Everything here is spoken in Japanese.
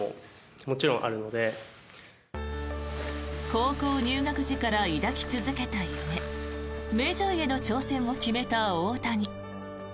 高校入学時から抱き続けた夢メジャーへの挑戦を決めた大谷。